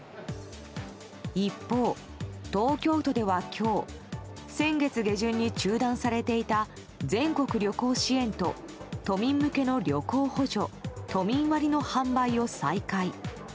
一方、東京都では今日先月下旬に中断されていた全国旅行支援と都民向けの旅行補助都民割の販売を再開。